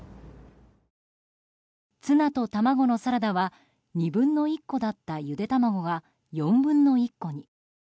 ツナと玉子のサラダは２分の１個だったゆで卵が４分の１個に。